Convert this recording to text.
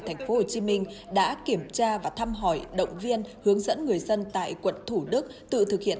tp hcm đã kiểm tra và thăm hỏi động viên hướng dẫn người dân tại quận thủ đức tự thực hiện